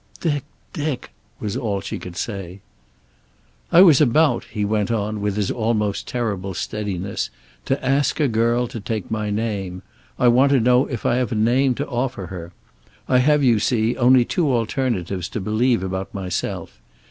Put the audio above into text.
"Dick! Dick!" was all she could say. "I was about," he went on, with his almost terrible steadiness, "to ask a girl to take my name. I want to know if I have a name to offer her. I have, you see, only two alternatives to believe about myself.